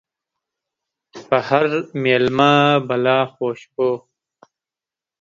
په هر ميلمه بلا خوشبو